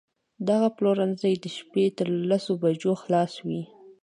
دغه پلورنځی د شپې تر لسو بجو خلاص وي